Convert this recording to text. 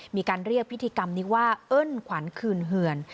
มีการเรียกพิธีกรรมนี้ว่าเอิ้นขวัญคืนเหื่อน